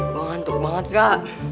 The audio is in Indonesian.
gue ngantuk banget kak